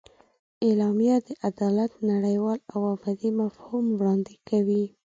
اعلامیه د عدالت نړیوال او ابدي مفهوم وړاندې کوي.